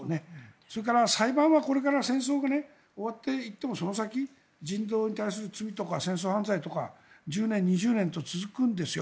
それから、裁判はこれから戦争が終わっていってもその先、人道に対する罪とか戦争犯罪とか１０年、２０年と続くんですよ。